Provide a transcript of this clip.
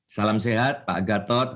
salam sehat pak gatot